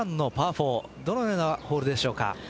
４どのようなホールでしょうか。